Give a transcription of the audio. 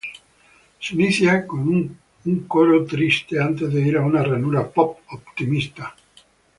Se inicia con una coro triste antes de ir a una ranura pop optimista.